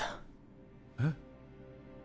えっ？